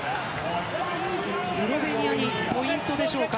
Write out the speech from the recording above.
スロベニアにポイントでしょうか。